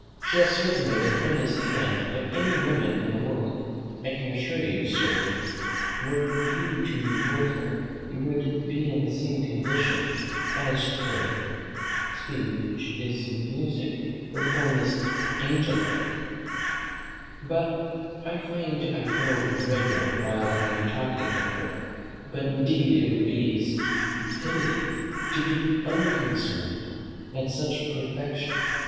She has certainly the finest hand of any woman in the world. I can assure you, Sir, were you to behold her, you would be in the same condition; for as her speech is musick, her form is angelick. But I find I grow irregular while I am talking of her; but indeed it would be stupidity to be unconcerned at such perfection.